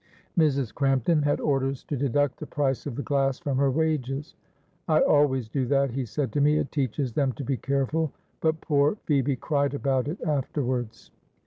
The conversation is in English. Mrs. Crampton had orders to deduct the price of the glass from her wages. 'I always do that,' he said to me, 'it teaches them to be careful,' but poor Phoebe cried about it afterwards.